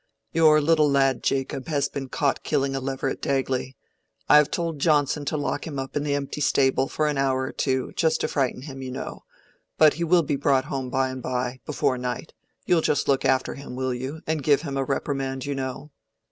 "Your little lad Jacob has been caught killing a leveret, Dagley: I have told Johnson to lock him up in the empty stable an hour or two, just to frighten him, you know. But he will be brought home by and by, before night: and you'll just look after him, will you, and give him a reprimand, you know?"